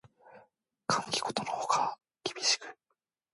寒気ことのほか厳しく